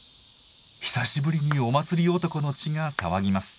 久しぶりにお祭り男の血が騒ぎます。